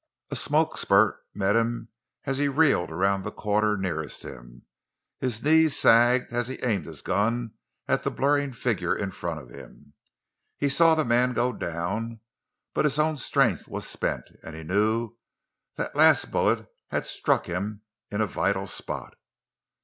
A smoke spurt met him as he reeled around the corner nearest him, and his knees sagged as he aimed his gun at a blurring figure in front of him. He saw the man go down, but his own strength was spent, and he knew the last bullet had struck him in a vital spot.